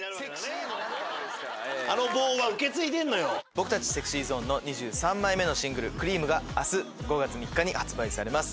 僕たちＳｅｘｙＺｏｎｅの２３枚目のシングル「Ｃｒｅａｍ」が明日５月３日に発売されます。